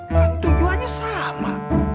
kan tujuannya sama